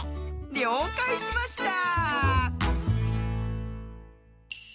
りょうかいしました！